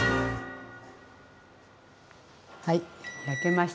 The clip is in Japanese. はい焼けました。